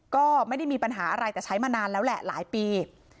ก็ไม่ได้มีปัญหาอะไรแต่ใช้มานานแล้วแหละหลายปี